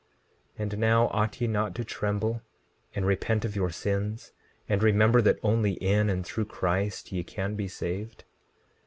16:13 And now, ought ye not to tremble and repent of your sins, and remember that only in and through Christ ye can be saved?